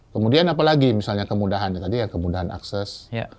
kemudian apalagi misalnya kemudahan tadi ya kemudahan akses